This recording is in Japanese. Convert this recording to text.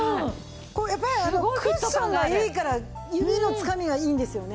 やっぱりクッションがいいから指のつかみがいいんですよね。